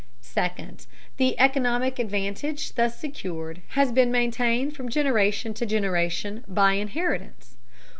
Second, the economic advantage thus secured has been maintained from generation to generation by inheritance.